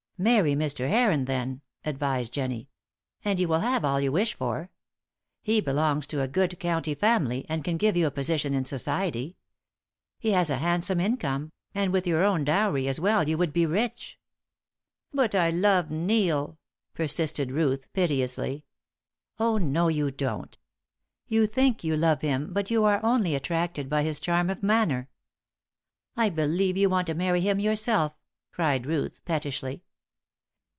"Marry Mr. Heron, then," advised Jennie, "and you will have all you wish for. He belongs to a good county family, and can give you a position in society. He has a handsome income, and with your own dowry as well you would be rich." "But I love Neil," persisted Ruth, piteously. "Oh, no, you don't. You think you love him, but you are only attracted by his charm of manner." "I believe you want to marry him yourself," cried Ruth, pettishly.